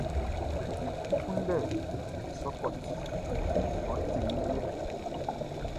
N kunndɛ sɔkɔti, ɔ ti min liɛ!